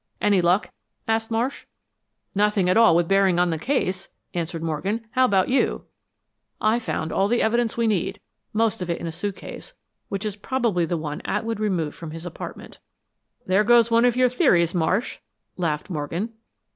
"Any luck?" asked Marsh. "Nothing at all with any bearing on the case," answered Morgan. "How about you?" "I found all the evidence we need; most of it in a suitcase, which is probably the one Atwood removed from his apartment." "There goes one of your theories, Marsh," laughed Morgan.